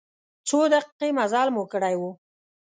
څو دقیقې مزل مو کړی و.